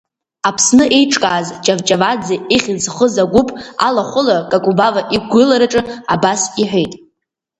Аԥсны еиҿкааз Ҷавҷаваӡе ихьӡ зхыз агәыԥ алахәыла Какубава иқәгылараҿы абас иҳәеит…